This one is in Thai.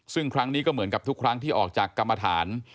ซึ่งครั้งนี้ก็เหมือนกับทุกครั้งที่ออกจากกรรมฐาน